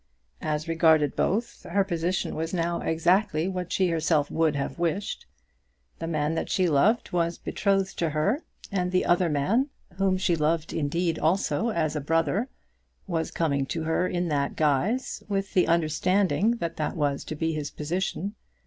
As regarded both, her position was now exactly what she herself would have wished. The man that she loved was betrothed to her, and the other man, whom she loved indeed also as a brother, was coming to her in that guise, with the understanding that that was to be his position.